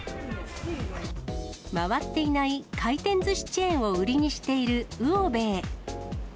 回っていない回転ずしチェーンを売りにしている魚べい。